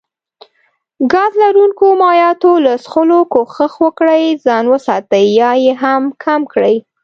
ګاز لرونکو مايعاتو له څښلو کوښښ وکړي ځان وساتي يا يي هم کم کړي